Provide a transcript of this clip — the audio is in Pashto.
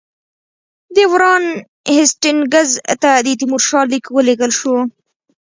د وارن هېسټینګز ته د تیمورشاه لیک ولېږل شو.